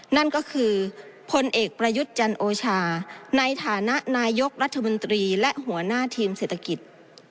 นั่นก็คือพลเอกประยุทธ์จันโอชาในฐานะนายกรัฐมนตรีและหัวหน้าทีมเศรษฐกิจ